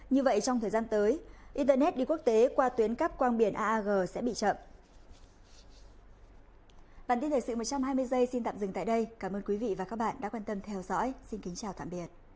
như vậy trong thời gian tới internet đi quốc tế qua tuyến cắp quang biển aag sẽ bị chậm